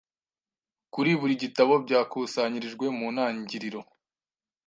kuri buri gitabo byakusanyirijwe mu ntangiriro